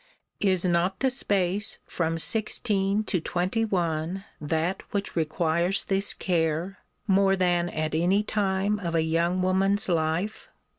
Is not the space from sixteen to twenty one that which requires this care, more than at any time of a young woman's life?